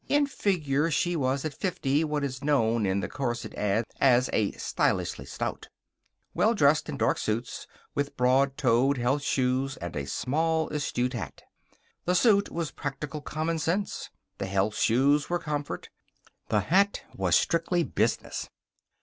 In figure, she was, at fifty, what is known in the corset ads as a "stylish stout." Well dressed in dark suits, with broad toed health shoes and a small, astute hat. The suit was practical common sense. The health shoes were comfort. The hat was strictly business.